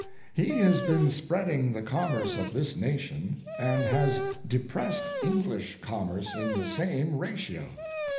He has been spreading the commerce of this nation, and has depressed English commerce in the same ratio.